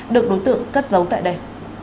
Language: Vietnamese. được đối tượng cất giấu tại đây